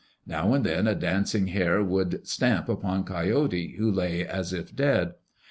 Now and then a dancing Hare would stamp upon Coyote who lay as if dead.